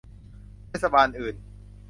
เทศบาลอื่น